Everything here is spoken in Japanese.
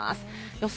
予想